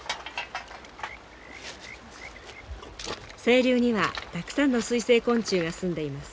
清流にはたくさんの水生昆虫がすんでいます。